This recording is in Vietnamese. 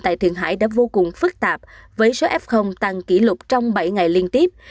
tại thượng hải đã vô cùng phức tạp với số f tăng kỷ lục trong bảy ngày liên tiếp